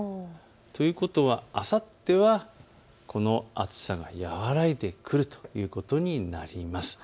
ということは、あさってはこの暑さが和らいでくるということになります。